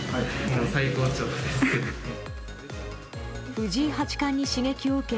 藤井八冠に刺激を受け